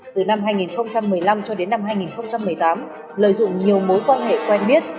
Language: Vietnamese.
từ năm hai nghìn một mươi năm cho đến năm hai nghìn một mươi tám lợi dụng nhiều mối quan hệ quen biết